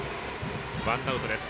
ワンアウトです。